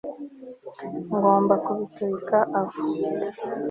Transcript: ngomba kubiturika aho